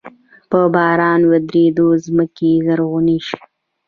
په باران ورېدلو زمکې زرغوني شي۔